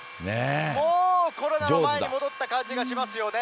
もう、コロナの前に戻った感じがしますよね。